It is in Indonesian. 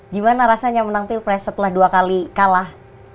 gimana rasanya menang pilpres setelah dua kali kalah